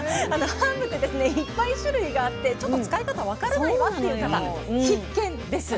ハーブっていっぱい種類があってちょっと使い方分からないわという方必見です。